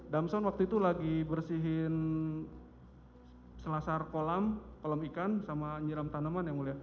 damson waktu itu lagi bersihin selasar kolam kolam ikan sama nyiram tanaman yang mulia